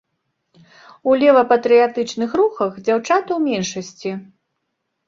У лева-патрыятычных рухах, дзяўчаты ў меншасці.